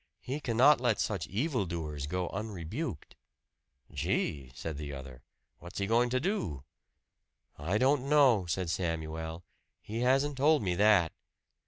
He cannot let such evil doers go unrebuked." "Gee!" said the other. "What's he going to do?" "I don't know," said Samuel. "He hasn't told me that.